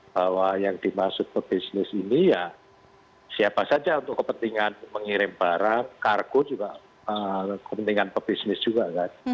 bahwa yang dimaksud ke bisnis ini ya siapa saja untuk kepentingan mengirim barang kargo juga kepentingan pebisnis juga kan